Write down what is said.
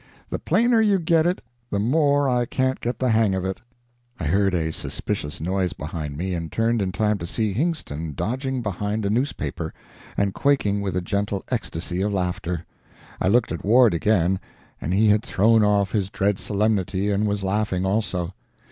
The plainer you get it the more I can't get the hang of it." I heard a suspicious noise behind me, and turned in time to see Hingston dodging behind a newspaper, and quaking with a gentle ecstasy of laughter. I looked at Ward again, and he had thrown off his dread solemnity and was laughing also.